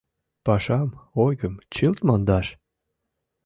Пашам, ойгым чылт мондаш?!